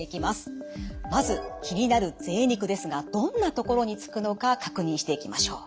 まず気になるぜい肉ですがどんなところにつくのか確認していきましょう。